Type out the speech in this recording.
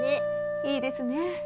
いいですね。